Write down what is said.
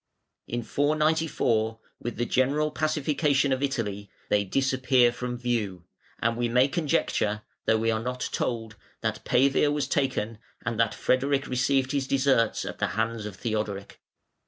In 494, with the general pacification of Italy, they disappear from view: and we may conjecture, though we are not told, that Pavia was taken, and that Frederic received his deserts at the hands of Theodoric.